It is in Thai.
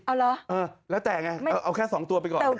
เอาเหรอแล้วแต่อย่างไรเอาแค่๒ตัวไปก่อน